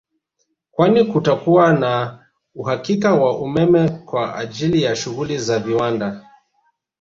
Kwani kutakuwa na uhakika wa umeme kwa ajili ya shughuli za viwanda